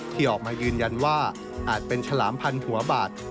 ที่ออกมายืนยันว่าอาจเป็นฉลามพันหัวบาด